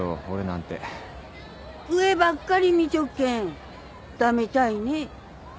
上ばっかり見ちょっけん駄目たいね。